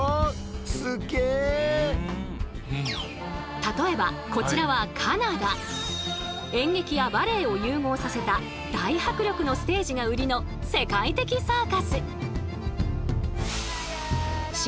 例えばこちらは演劇やバレエを融合させた大迫力のステージが売りの世界的サーカス。